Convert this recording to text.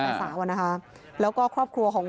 พระคุณที่อยู่ในห้องการรับผู้หญิง